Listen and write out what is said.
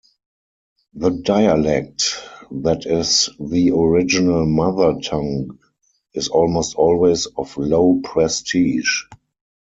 The dialect that is the original mother tongue is almost always of low prestige.